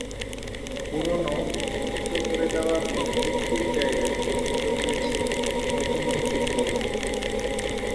পুরোনো, ধ্বংস করে দেয়া মসজিদটির জায়গায় নির্মিত হয়েছে নতুন মসজিদ ভবন।